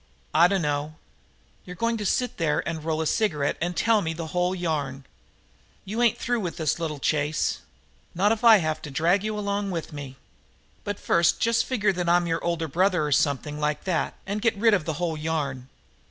"I dunno." "You're going to sit there and roll a cigarette and tell me the whole yarn. You ain't through with this little chase. Not if I have to drag you along with me. But first just figure that I'm your older brother or something like that and get rid of the whole yarn.